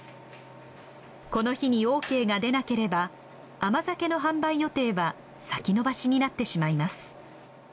この日にオーケーが出なければ甘酒の販売予定は先延ばしになってしまいます。